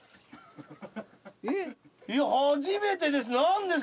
いや初めてです。